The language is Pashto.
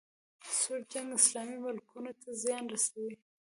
سوړ جنګ اسلامي ملکونو ته زیان رسولی